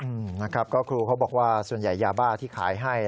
อืมนะครับก็ครูเขาบอกว่าส่วนใหญ่ยาบ้าที่ขายให้